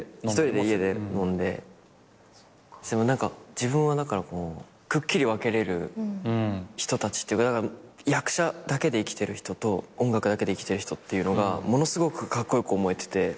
自分はだからこうくっきり分けれる人たちってだから役者だけで生きてる人と音楽だけで生きてる人っていうのがものすごくカッコ良く思えてて。